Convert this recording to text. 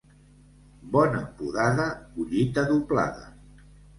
Bona podada, collita doblada.